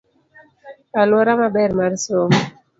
Aluora maber mas somo.